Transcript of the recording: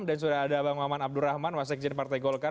dan sudah ada bang maman abdurrahman wasegjen partai golkar